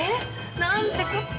なんてこった！